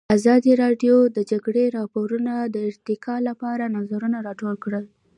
ازادي راډیو د د جګړې راپورونه د ارتقا لپاره نظرونه راټول کړي.